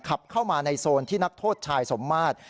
ขับเข้ามาในโซนที่นักโทษชายสมมาตร